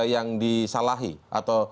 yang disalahi atau